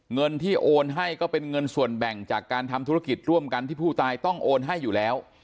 เงินที่โอนให้ก็เป็นเงินส่วนแบ่งจากการทำธุรกิจร่วมกันที่ผู้ตายต้องโอนให้อยู่แล้ว